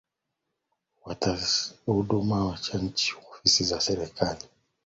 wanashtakikana kuhudumia wananchi katika ofisi za serikali